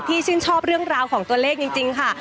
ชื่นชอบเรื่องราวของตัวเลขจริงค่ะ